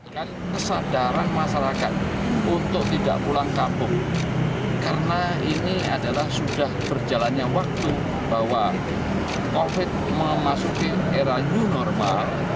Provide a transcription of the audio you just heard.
ini kan kesadaran masyarakat untuk tidak pulang kampung karena ini adalah sudah berjalannya waktu bahwa covid memasuki era new normal